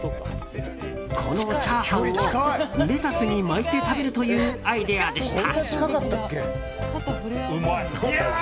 このチャーハンをレタスに巻いて食べるというアイデアでした。